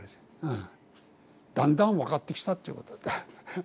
うん。だんだん分かってきたっていうことだ。